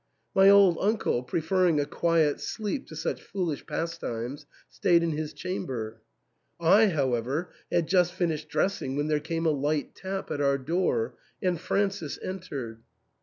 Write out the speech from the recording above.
My old uncle, preferring a quiet sleep to such foolish pastimes, stayed in his chamber. I, however, had just finished dressing when there came a light tap at our door, and Francis entered.